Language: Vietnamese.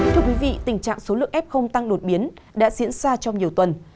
thưa quý vị tình trạng số lượng f tăng đột biến đã diễn ra trong nhiều tuần